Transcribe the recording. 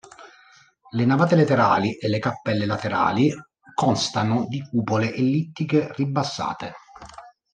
Le navate laterali e le cappelle laterali constano di cupole ellittiche ribassate.